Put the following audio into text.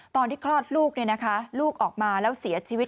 คลอดลูกลูกออกมาแล้วเสียชีวิต